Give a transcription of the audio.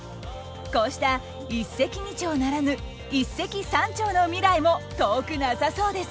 こうした一石二鳥ならぬ一石三鳥の未来も遠くなさそうです。